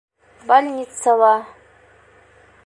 Больницала...